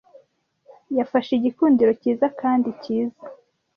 yafashe igikundiro cyiza kandi cyiza